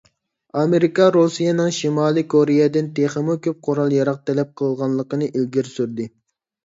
ئامېرىكا رۇسىيەنىڭ شىمالىي كورېيەدىن تېخىمۇ كۆپ قورال-ياراغ تەلەپ قىلغانلىقىنى ئىلگىرى سۈردى.